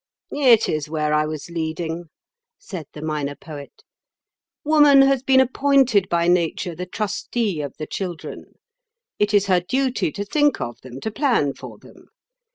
"It is where I was leading," said the Minor Poet. "Woman has been appointed by Nature the trustee of the children. It is her duty to think of them, to plan for them.